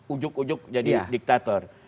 ujuk ujuk jadi diktator